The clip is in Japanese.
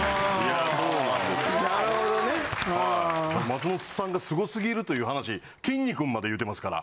松本さんがすごすぎるという話きんに君まで言うてますから。